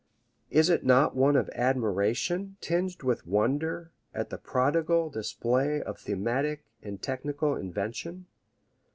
Is it not one of admiration, tinged with wonder at such a prodigal display of thematic and technical invention?